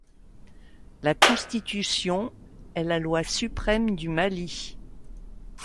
La Constitution est la loi suprême du Mali.